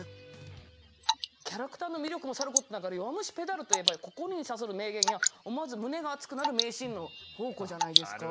キャラクターの魅力もさることながら「弱虫ペダル」といえば心に刺さる名言や思わず胸が熱くなる名シーンの宝庫じゃないですか。